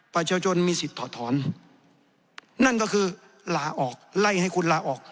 ประชาชนมีสิทธิ์ถอดถอนนั่นก็คือลาออกไล่ให้คุณลาออก